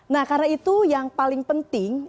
nah karena itu yang paling penting